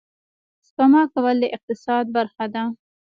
سپما کول د اقتصاد برخه ده